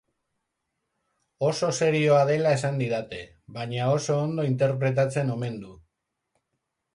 Oso serioa dela esan didate, baina oso ondo interpretatzen omen du.